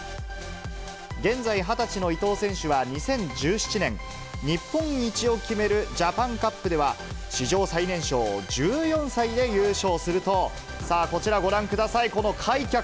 現在、２０歳の伊藤選手は２０１７年、日本一を決めるジャパンカップでは、史上最年少１４歳で優勝すると、さあ、こちらご覧ください、この開脚。